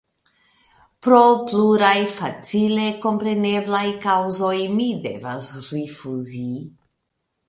Pro pluraj facile kompreneblaj kaŭzoj mi devas rifuzi.